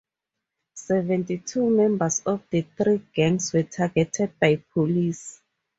Seventy-two members of the three gangs were targeted by police.